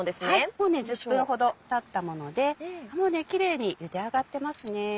もうね１０分ほどたったものでキレイにゆで上がってますね。